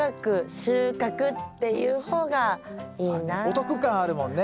お得感あるもんね。